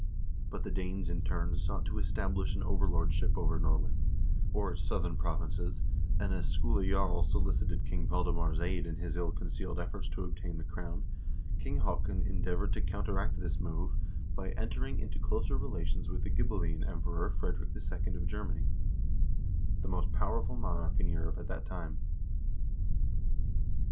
But the Danes in turn sought to establish an over lordship over Norway, or its southern provinces, and, as Skule Jarl solicited King Valdemar's aid in his ill concealed efforts to obtain the crown, King Haakon endeavored to counteract this move by KING HAAKON HAAKONSSON AND SKULE JARL 417 entering into closer relations with the Ghibelline Emperor Frederick II. of Germany, the most powerful monarch in Europe at that time.